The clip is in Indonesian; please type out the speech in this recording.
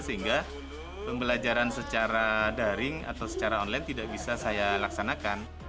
sehingga pembelajaran secara daring atau secara online tidak bisa saya laksanakan